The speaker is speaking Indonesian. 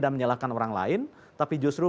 dan menyalahkan orang lain tapi justru